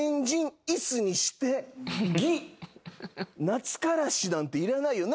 「なつからし」なんていらないよ。